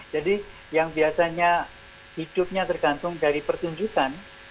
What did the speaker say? jadi yang biasanya hidupnya tergantung dari pertunjukan